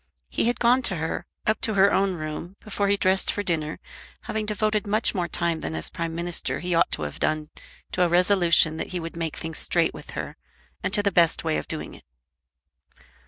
He had gone to her, up to her own room, before he dressed for dinner, having devoted much more time than as Prime Minister he ought to have done to a resolution that he would make things straight with her, and to the best way of doing it.